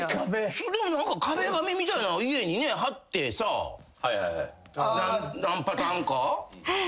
壁紙みたいなん家に張ってさ何パターンか。